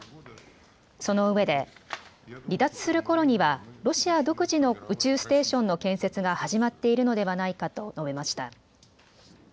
そのうえで離脱するころにはロシア独自の宇宙ステーションの建設が始まっているのではないかと述べました。